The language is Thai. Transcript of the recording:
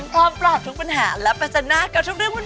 พร้อมปลอบทุกปัญหาและปัจจนากับทุกเรื่องวุ่น